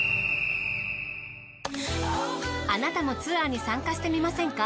あなたもツアーに参加してみませんか？